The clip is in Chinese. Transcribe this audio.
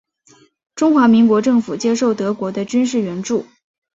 中华民国政府接受德国的军事援助。